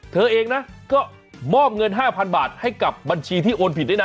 เธอเองนะก็มอบเงิน๕๐๐๐บาทให้กับบัญชีที่โอนผิดด้วยนะ